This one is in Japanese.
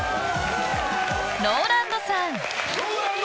ＲＯＬＡＮＤさん。